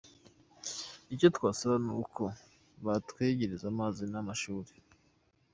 Icyo twasaba ni uko batwegereza amazi n’amashuri.